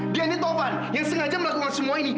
dia ini tovan yang sengaja melakukan semua ini